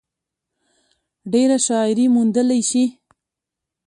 ډېره شاعري موندلے شي ۔